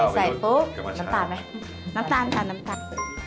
ใส่ละครับ